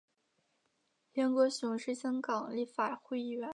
梁国雄是香港立法会议员。